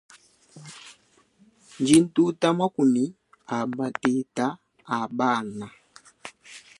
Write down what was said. Ndi ntuta makumi a mateta abana.